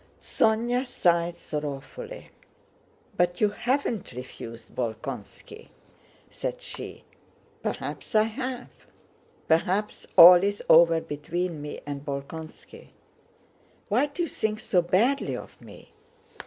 Sónya sighed sorrowfully. "But you haven't refused Bolkónski?" said she. "Perhaps I have. Perhaps all is over between me and Bolkónski. Why do you think so badly of me?"